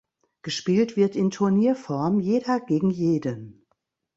Gespielt wird in Turnierform jeder gegen jeden.